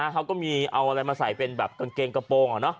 เขาก็มีเอาอะไรมาใส่เป็นแบบกางเกงกระโปรง